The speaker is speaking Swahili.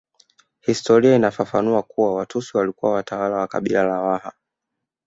Historia inafafanua kuwa Watusi walikuwa watawala wa kabila la Waha